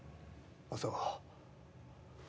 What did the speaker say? そう。